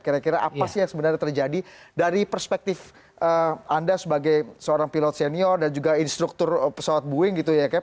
kira kira apa sih yang sebenarnya terjadi dari perspektif anda sebagai seorang pilot senior dan juga instruktur pesawat boeing gitu ya cap